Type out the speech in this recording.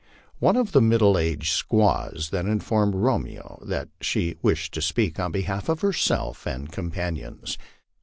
One of the middle aged squawa then informed Romeo that she wished to speak on behalf of herself and companions.